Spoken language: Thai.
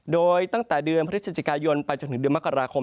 โดยตั้งแต่เดือนพฤศจิกายนไปจนถึงเดือนมกราคม